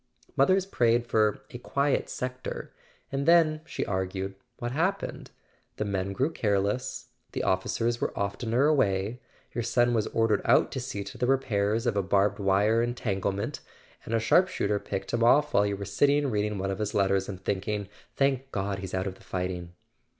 Mothers prayed for "a quiet sector"—and then, she argued, what happened? The men grew careless, the officers were oftener away; your son was ordered out to see to the repairs of a barbed wire entanglement, and a sharp¬ shooter picked him off while you were sitting reading one of his letters, and thinking: Thank God he's out of the fighting."